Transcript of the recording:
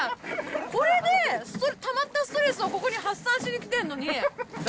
これでたまったストレスをここに発散しに来てるのに。